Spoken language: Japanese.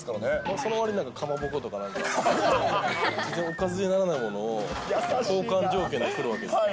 そのわりに何か、かまぼことか、おかずにならないものを交換条件で来るわけですよ。